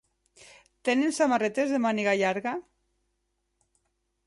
Tenen samarretes de màniga llarga?